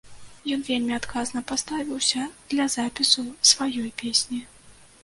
Ён вельмі адказна паставіўся для запісу сваёй песні.